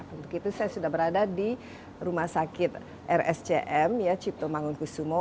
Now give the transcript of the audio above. untuk itu saya sudah berada di rumah sakit rscm cipto mangunkusumo